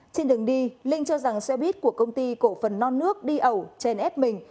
trên đường đi linh cho rằng xe buýt của công ty cổ phần non nước đi ẩu chèn ép mình